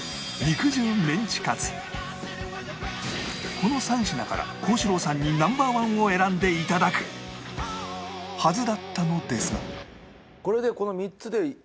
この３品から幸四郎さんに Ｎｏ．１ を選んで頂くはずだったのですが